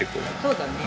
そうだね。